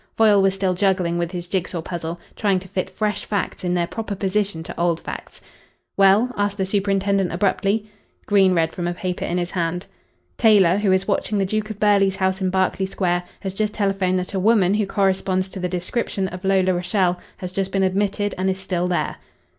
Foyle was still juggling with his jig saw puzzle, trying to fit fresh facts in their proper position to old facts. "Well?" asked the superintendent abruptly. Green read from a paper in his hand. "Taylor, who is watching the Duke of Burghley's House in Berkeley Square, has just telephoned that a woman who corresponds to the description of Lola Rachael has just been admitted and is still there."